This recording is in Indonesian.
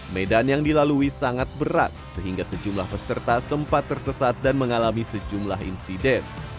medan yang dilalui sangat berat sehingga sejumlah peserta sempat tersesat dan mengalami sejumlah insiden